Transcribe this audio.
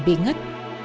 chị hiền bị ngất